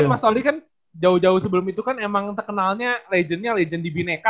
tapi mas aldi kan jauh jauh sebelum itu kan emang terkenalnya legendnya legend di bineka